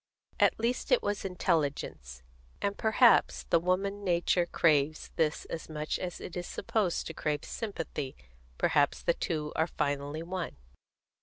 At least it was intelligence; and perhaps the woman nature craves this as much as it is supposed to crave sympathy; perhaps the two are finally one.